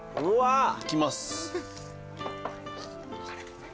いきます。